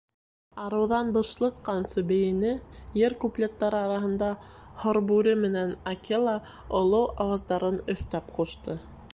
Арыуҙан бышлыҡҡансы бейене, йыр куплеттары араһында һорбүре менән Акела олоу ауаздарын өҫтәп ҡушты.